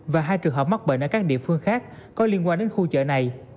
và hai trường hợp mắc bệnh ở các địa phương khác có liên quan đến khu chợ này